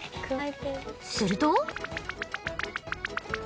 すると。